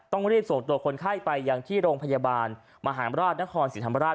ต้องรีบส่งตัวคนไข้ไปยังที่โรงพยาบาลมหาราชนครศรีธรรมราช